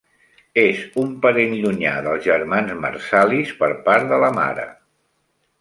És un parent llunyà dels germans Marsalis per part de la mare.